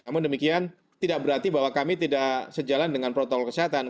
namun demikian tidak berarti bahwa kami tidak sejalan dengan protokol kesehatan